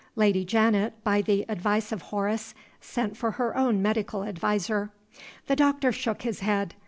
Lady Janet, by the advice of Horace, sent for her own medical adviser. The doctor shook his head.